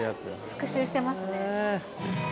復習してますね。